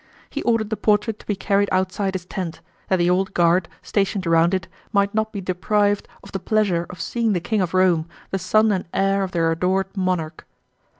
He ordered the portrait to be carried outside his tent, that the Old Guard, stationed round it, might not be deprived of the pleasure of seeing the King of Rome, the son and heir of their adored monarch.